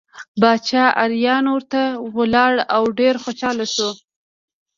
باچا اریان ورته ولاړ او ډېر خوشحاله شو.